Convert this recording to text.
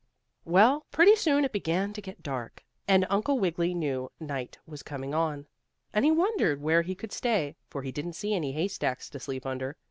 Well, pretty soon, it began to get dark, and Uncle Wiggily knew night was coming on. And he wondered where he could stay, for he didn't see any haystacks to sleep under.